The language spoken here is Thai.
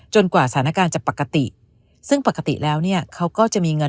กว่าสถานการณ์จะปกติซึ่งปกติแล้วเนี่ยเขาก็จะมีเงิน